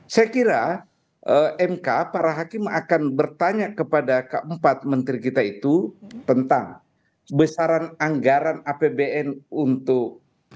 saya kira mk para hakim akan bertanya kepada keempat menteri kita itu tentang besaran anggaran apbn untuk